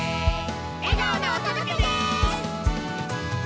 笑顔のおとどけです！